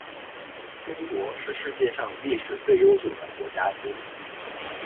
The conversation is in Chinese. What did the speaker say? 中国是世界上历史最悠久的国家之一。